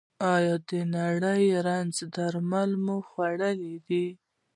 ایا د نري رنځ درمل مو خوړلي دي؟